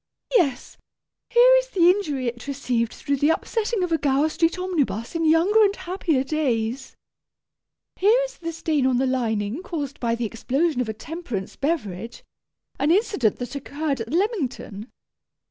Yes, here is the injury it received through the upsetting of a Gower Street omnibus in younger and happier days. Here is the stain on the lining caused by the explosion of a temperance beverage, an incident that occurred at Leamington.